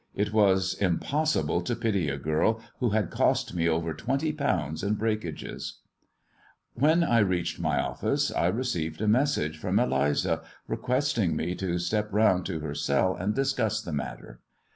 It was impossible to pity girl who had cost me over twenty pounds in bi When I reached my office, I received a message Eliza, requesting me to step round to her cell, and the matter.